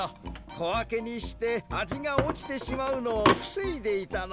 こわけにしてあじがおちてしまうのをふせいでいたのか。